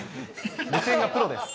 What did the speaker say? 目線がプロです。